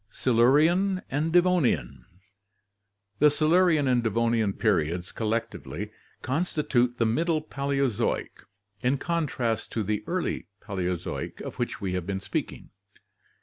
Silurian and Devonian. — The Silurian and Devonian periods collectively constitute the Middle Paleozoic, in contrast to the Early Paleozoic of which we have been speaking.